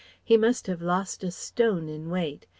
He must have lost a stone in weight.